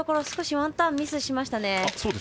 少しワンターンミスしましたね。